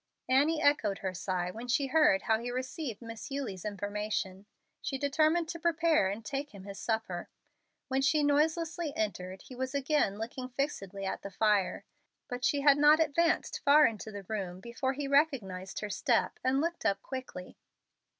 Annie echoed her sigh when she heard how he received Miss Eulie's information. She determined to prepare and take him his supper. When she noiselessly entered, he was again looking fixedly at the fire. But she had not advanced far into the room before he recognized her step and looked up quickly.